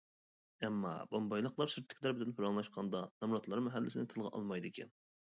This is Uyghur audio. ئەمما بومبايلىقلار سىرتتىكىلەر بىلەن پاراڭلاشقاندا نامراتلار مەھەللىسىنى تىلغا ئالمايدىكەن.